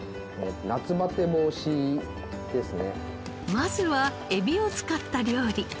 まずはエビを使った料理。